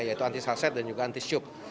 yaitu antis hacet dan juga antis cup